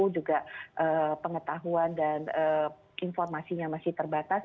juga pengetahuan dan informasinya masih terbatas